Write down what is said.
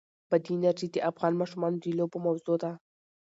بادي انرژي د افغان ماشومانو د لوبو موضوع ده.